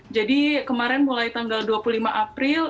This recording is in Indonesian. jadi kemarin mulai tanggal dua puluh lima april